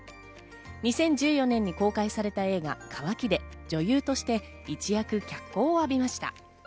２０１４年に公開された映画『渇き。』で女優として一躍、脚光を浴びました。